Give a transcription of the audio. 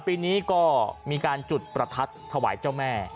ปีนี้ก็มีการจุดประทัดถวายเจ้าแม่